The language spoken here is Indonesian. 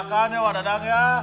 pak saya doakan ya wak dadang ya